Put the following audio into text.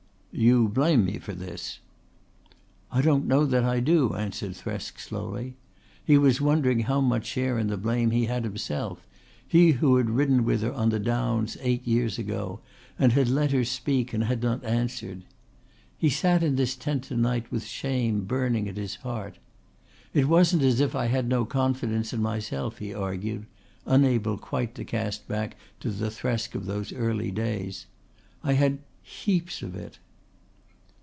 "You blame me for this." "I don't know that I do," answered Thresk slowly. He was wondering how much share in the blame he had himself, he who had ridden with her on the Downs eight years ago and had let her speak and had not answered. He sat in this tent to night with shame burning at his heart. "It wasn't as if I had no confidence in myself," he argued, unable quite to cast back to the Thresk of those early days. "I had heaps of it."